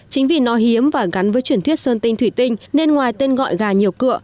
chính vì nó hiếm và gắn với chuyển thuyết sơn tinh thủy tinh nên ngoài tên gọi gà nhiều cựa